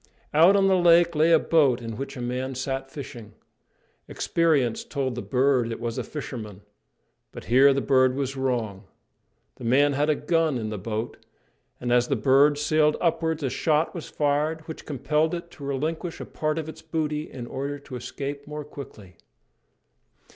Out on the lake lay a boat in which a man sat fishing. Experience told the bird it was a fisherman, but here the bird was wrong. The man had a gun in the boat, and as the bird sailed upwards a shot was fired which compelled it to relinquish a part of its booty in order to escape more quickly.